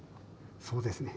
そうですね。